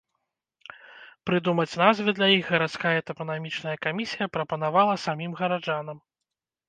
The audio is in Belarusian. Прыдумаць назвы для іх гарадская тапанімічная камісія прапанавала самім гараджанам.